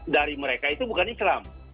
dari mereka itu bukan islam